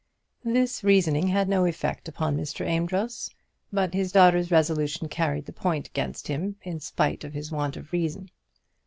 This reasoning had no effect upon Mr. Amedroz, but his daughter's resolution carried the point against him in spite of his want of reason.